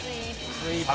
スイーパー。